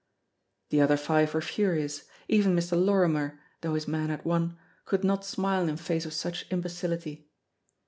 The other five were furious; even Mr. Lorrimer, though his man had won, could not smile in face of such imbecility.